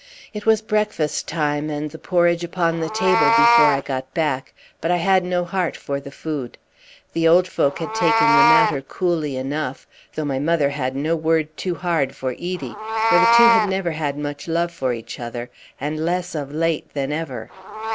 It was breakfast time and the porridge upon the table before I got back, but I had no heart for the food. The old folk had taken the matter coolly enough, though my mother had no word too hard for Edie; for the two had never had much love for each other, and less of late than ever.